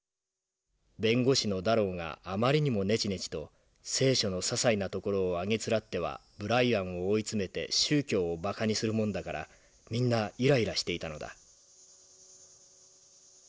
弁護士のダロウがあまりにもねちねちと『聖書』のささいなところをあげつらってはブライアンを追い詰めて宗教をバカにするもんだからみんなイライラしていたのだ」。